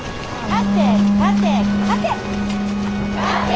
勝て勝て勝て。